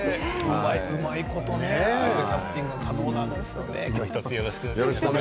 うまいことキャスティングされていますよね。